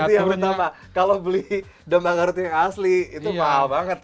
itu yang pertama kalau beli domba garut yang asli itu maaf